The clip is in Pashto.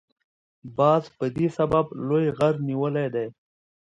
باز په دې سبب لوی غر نیولی دی.